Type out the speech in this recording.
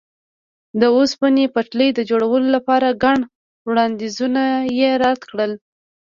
د اوسپنې پټلۍ د جوړولو لپاره ګڼ وړاندیزونه یې رد کړل.